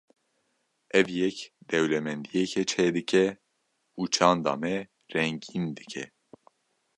Ev yek dewlemendiyekê çêdike û çanda me rengîn dike.